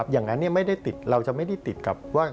อย่างนั้นเราจะไม่ได้ติดกับว่า